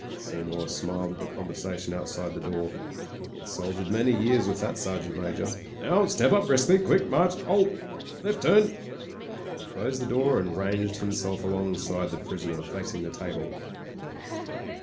Seymour smiled at the conversation outside the door; he had soldiered many years with that Sergeant Major. "Now, step up briskly. Quick march. 'Alt Left turn." He closed the door and ranged himself alongside the prisoner facing the table.